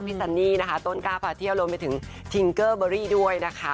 ซันนี่นะคะต้นกล้าพาเที่ยวรวมไปถึงทิงเกอร์เบอรี่ด้วยนะคะ